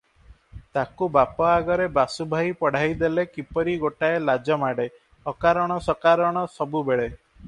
ତାକୁ ବାପ ଆଗରେ ବାସୁଭାଇ ପଢ଼ାଇଦେଲେ କିପରି ଗୋଟାଏ ଲାଜ ମାଡ଼େ; ଅକାରଣ ସକାରଣ ସବୁବେଳେ